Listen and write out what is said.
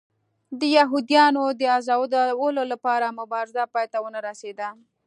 د یهودیانو د ازادولو لپاره مبارزه پای ته ونه رسېده.